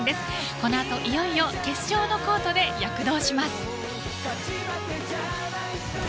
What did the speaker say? この後、いよいよ決勝のコートで躍動します。